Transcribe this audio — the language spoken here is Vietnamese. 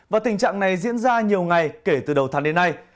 và tình trạng này diễn ra nhiều ngày kể từ đầu tháng đến nay